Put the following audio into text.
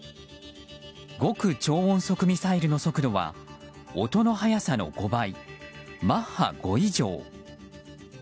極超音速ミサイルの速度は音の速さの５倍、マッハ５以上。